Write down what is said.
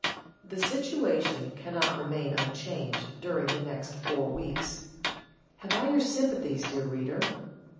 The situation cannot remain unchanged during the next four weeks. Have I your sympathies, dear reader?